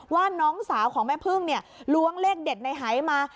ว่าน้องสาวของแม่เพิ่งร้วงเลขเด็ดในไฮมา